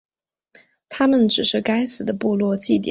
它们只是该死的部落祭典。